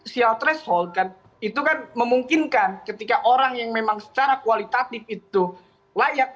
sial threshold kan itu kan memungkinkan ketika orang yang memang secara kualitatif itu layak